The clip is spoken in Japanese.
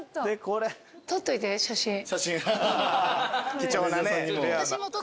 貴重なね。